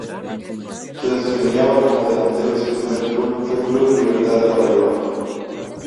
Se desempeñaba como delantero y su primer club fue Club Libertad de Paraguay.